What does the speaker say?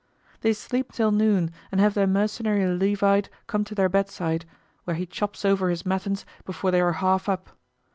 They sleep till noon and have their mercenary Levite come to their bedside, where he chops over his matins before they are half up.